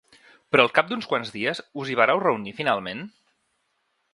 Però al cap d’uns quants dies us hi vàreu reunir finalment?